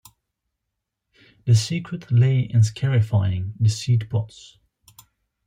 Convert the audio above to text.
The secret lay in scarifying the seed pods.